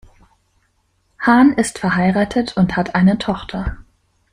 Hahn ist verheiratet und hat eine Tochter.